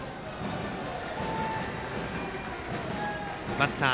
バッター